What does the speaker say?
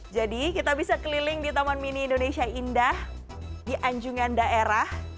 jadi kita bisa keliling di taman mini indonesia indah di anjungan daerah